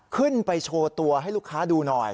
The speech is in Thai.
ขึ้นไปโชว์ตัวให้ลูกค้าดูหน่อย